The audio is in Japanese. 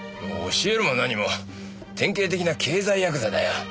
教えるも何も典型的な経済ヤクザだよ。